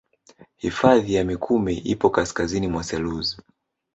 Hifadhi ya mikumi ipo kasikazini mwa selous